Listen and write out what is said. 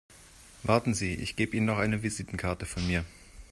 Warten Sie, ich gebe Ihnen noch eine Visitenkarte von mir.